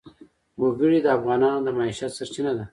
وګړي د افغانانو د معیشت سرچینه ده.